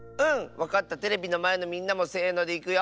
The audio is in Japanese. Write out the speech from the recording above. わかったテレビのまえのみんなもせのでいくよ！